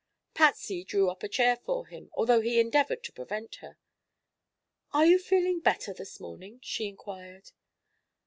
Patsy drew up a chair for him, although he endeavored to prevent her. "Are you feeling better this morning?" she inquired.